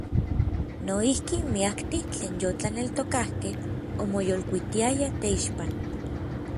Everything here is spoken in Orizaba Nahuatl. Noijki miaktij tlen yotlaneltokakej omoyolkuitiayaj teixpan.